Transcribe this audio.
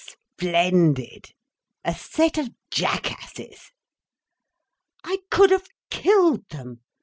"Splendid! A set of jackasses!" "I could have killed them!"